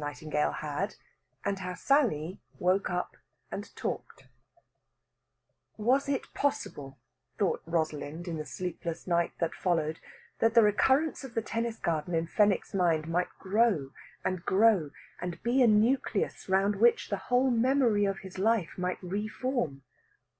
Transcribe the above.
NIGHTINGALE HAD, AND HOW SALLY WOKE UP AND TALKED Was it possible, thought Rosalind in the sleepless night that followed, that the recurrence of the tennis garden in Fenwick's mind might grow and grow, and be a nucleus round which the whole memory of his life might re form?